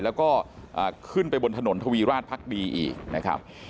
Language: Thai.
แล้วก็ขึ้นไปบนถนนทวีราชพักดีอีกนะครับ